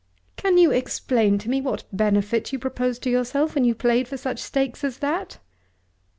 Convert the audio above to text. "Can you explain to me what benefit you proposed to yourself when you played for such stakes as that?"